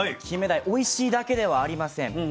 キンメダイおいしいだけではありません。